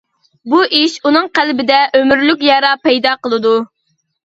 بۇ ئىش ئۇنىڭ قەلبىدە ئۆمۈرلۈك يارا پەيدا قىلىدۇ.